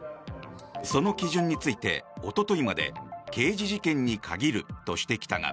その基準について、おとといまで刑事事件に限るとしてきたが